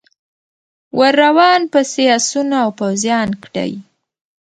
ور روان پسي آسونه او پوځیان کړی